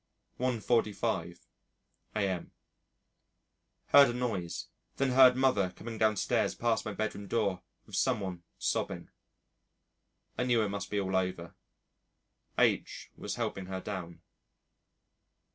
1.45 a.m. Heard a noise, then heard Mother coming downstairs past my bedroom door with some one sobbing. I knew it must be all over. H was helping her down.